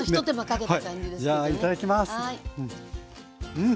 うん！